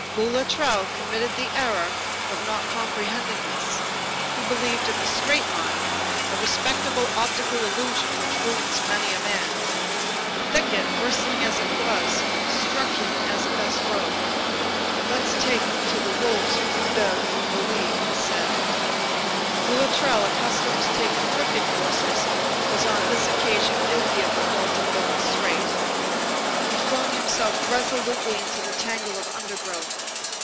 Boulatruelle committed the error of not comprehending this. He believed in the straight line; a respectable optical illusion which ruins many a man. The thicket, bristling as it was, struck him as the best road. "Let's take to the wolves' Rue de Rivoli," said he. Boulatruelle, accustomed to taking crooked courses, was on this occasion guilty of the fault of going straight. He flung himself resolutely into the tangle of undergrowth.